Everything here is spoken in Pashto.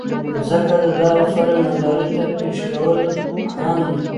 ځکه د دغه فلم نندارې ته پېش کول هم